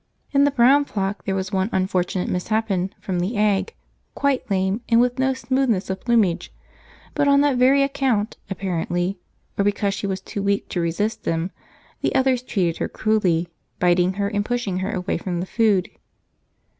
In the brown flock there was one unfortunate, misshapen from the egg, quite lame, and with no smoothness of plumage; but on that very account, apparently, or because she was too weak to resist them, the others treated her cruelly, biting her and pushing her away from the food.